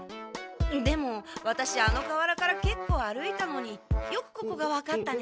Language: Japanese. でもワタシあの河原からけっこう歩いたのによくここがわかったね。